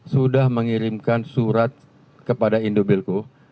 sudah mengirimkan surat kepada indobilco